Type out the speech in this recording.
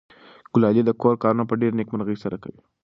ګلالۍ د کور کارونه په ډېرې نېکمرغۍ سره کوي.